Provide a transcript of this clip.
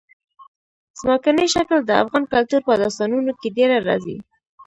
ځمکنی شکل د افغان کلتور په داستانونو کې ډېره راځي.